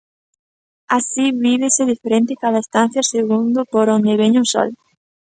Así, vívese diferente cada estancia segundo por onde veña o sol.